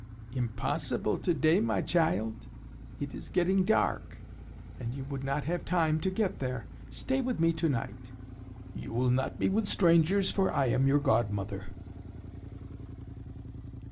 "Impossible to day, my child; it is getting dark, and you would not have time to get there. Stay with me to night. You will not be with strangers, for I am your godmother."